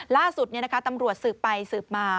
ล่าสุดตำรวจสืบไปสืบมา